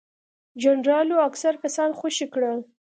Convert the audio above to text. جنرال لو اکثر کسان خوشي کړل.